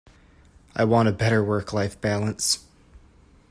I want a better work-life balance.